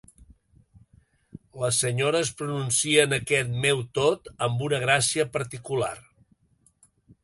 Les senyores pronuncien aquest "meu tot" amb una gràcia particular.